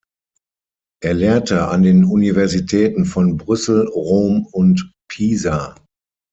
Er lehrte an den Universitäten von Brüssel, Rom und Pisa.